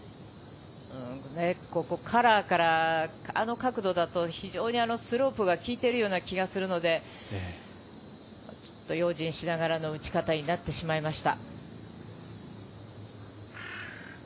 ここからあの角度だとスロープがきいているような気がするので、用心しながらの打ち方になってしまいました。